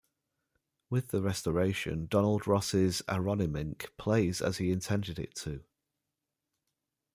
With the restoration, Donald Ross's Aronimink plays as he intended it to.